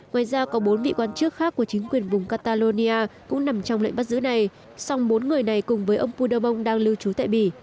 ngoài ra có bốn vị quan chức khác của chính quyền vùng catalonia cũng nằm trong lệnh bắt giữ này song bốn người này cùng với ông puderbong đang lưu trú tại bỉ